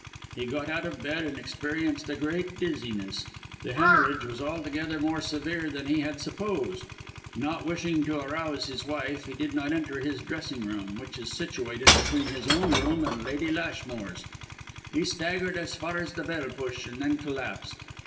"He got out of bed and experienced a great dizziness. The hemorrhage was altogether more severe than he had supposed. Not wishing to arouse his wife, he did not enter his dressing room, which is situated between his own room and Lady Lashmore's; he staggered as far as the bell push, and then collapsed.